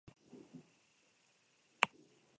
Eta nahikoa izan zen urte bete zinemarako bidea egiteko.